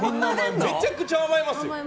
めちゃくちゃ甘えますよ。